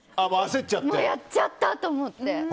もうやっちゃったと思って。